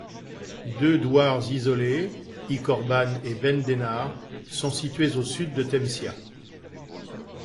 Deux douars isolés, Ikhorbane et Ben Denar, sont situés au sud de Temsia.